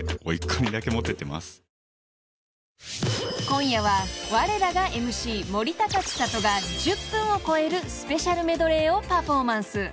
［今夜はわれらがＭＣ森高千里が１０分を超えるスペシャルメドレーをパフォーマンス］